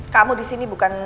kamu disini bukan